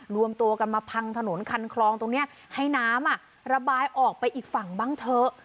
รวมตัวกันมาพังถนนคันคลองตรงนี้ให้น้ำระบายออกไปอีกฝั่งบ้างเถอะ